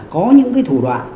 có những cái thủ đoạn